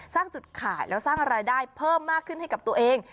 สร้างจุดขายแล้วสร้างรายได้เพิ่มมากขึ้นให้กับตัวเอง